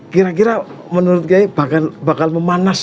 kira kira menurut saya bahkan bakal memanas